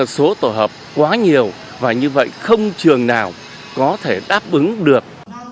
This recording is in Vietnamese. số tổ hợp quá nhiều và như vậy không trường nào có thể đáp ứng được